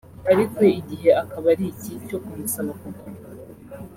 ariko igihe akaba ari iki cyo kumusaba kugaruka